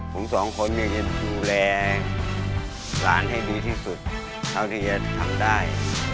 ผมสองคนจะขอแสว่งร่างให้ดีที่สุดเท่าที่จะทำได้